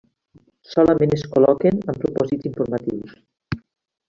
Solament es col·loquen amb propòsits informatius.